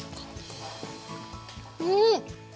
うん！